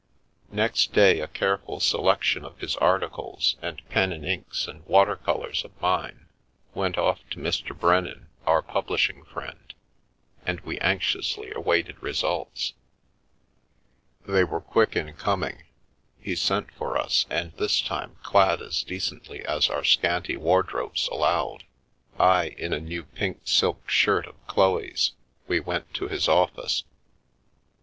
NEXT day a careful selection of his articles, and pen and inks and water colours of mine, went off to Mr. Brennan, our publishing friend, and we anxiously awaited results. They were quick in coming. He sent for us, and this time clad as decently as our scanty wardrobes allowed — I in a new pink silk shirt of Chloe's — we went to his office.